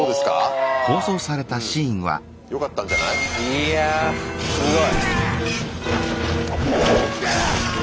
いやあすごい！